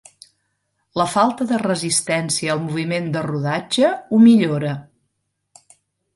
La falta de resistència al moviment de rodatge ho millora.